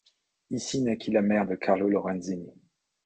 Ici naquit la mère de Carlo Lorenzini.